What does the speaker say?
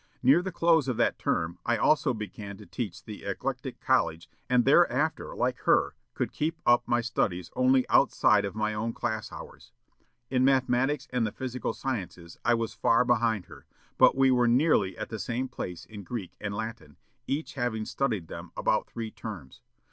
Near the close of that term I also began to teach in the Eclectic [College], and, thereafter, like her, could keep up my studies only outside of my own class hours. In mathematics and the physical sciences I was far behind her; but we were nearly at the same place in Greek and Latin, each having studied them about three terms.